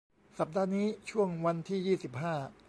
สัปดาห์นี้ช่วงวันที่ ยี่สิบห้า